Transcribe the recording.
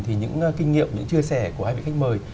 thì những kinh nghiệm những chia sẻ của hai vị khách mời